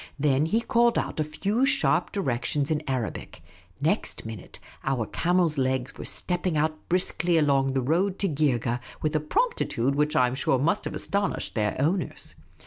Then he called out a few sharp directions in Arabic. Next miiuite, our camels' legs were stepping out briskly along the road to Geergeh with a promptitude which I 'm sure must have astoni.shed their owners.